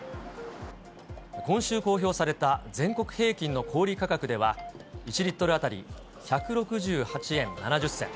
今週公表された全国平均の小売り価格では、１リットル当たり１６８円７０銭。